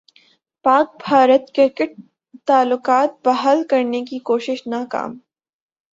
پاک بھارت کرکٹ تعلقات بحال کرنے کی کوشش ناکام